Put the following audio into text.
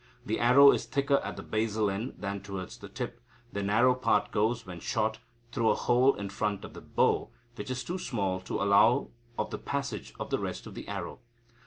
The arrow is thicker at the basal end than towards the tip. The narrow part goes, when shot, through a hole in front of the bow, which is too small to allow of the passage of the rest of the arrow.